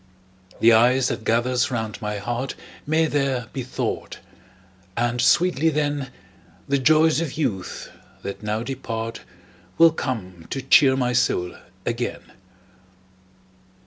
The ice that gathers round my heart May there be thawed; and sweetly, then, The joys of youth, that now depart, Will come to cheer my soul again.